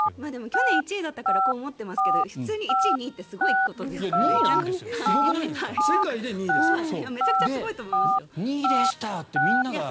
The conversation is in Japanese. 去年１位だからこう思ってますけど普通に１位、２位ってすごいことなんですよね。